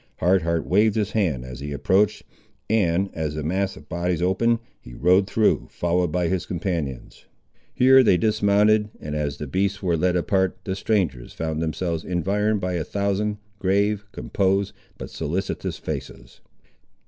Hard Heart waved his hand as he approached, and, as the mass of bodies opened, he rode through, followed by his companions. Here they dismounted; and as the beasts were led apart, the strangers found themselves environed by a thousand, grave, composed, but solicitous faces.